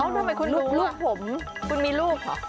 ทำไมคุณลูกผมคุณมีลูกเหรอ